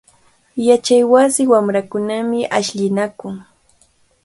Yachaywasi wamrakunami ashllinakun.